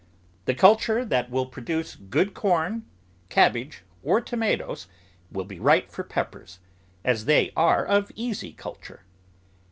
The culture that will produce good corn, cab bage, or tomatoes will be right for peppers, as they are of easy culture.